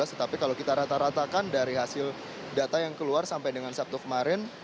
tetapi kalau kita rata ratakan dari hasil data yang keluar sampai dengan sabtu kemarin